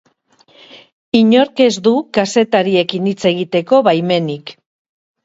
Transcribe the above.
Inork ez du kazetariekin hitz egiteko baimenik.